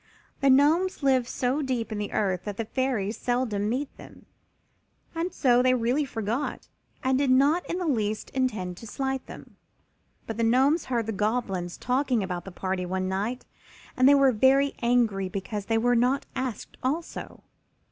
The Gnomes live so deep in the earth that the Fairies seldom meet them, and so they really forgot and did not in the least intend to slight them. But the Gnomes heard the Goblins talking about the party one night and they were very angry because they were not asked also.